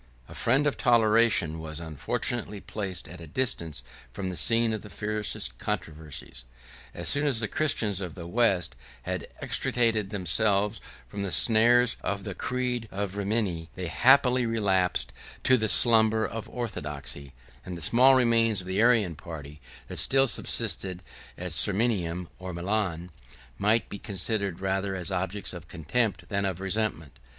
] The friend of toleration was unfortunately placed at a distance from the scene of the fiercest controversies. As soon as the Christians of the West had extricated themselves from the snares of the creed of Rimini, they happily relapsed into the slumber of orthodoxy; and the small remains of the Arian party, that still subsisted at Sirmium or Milan, might be considered rather as objects of contempt than of resentment.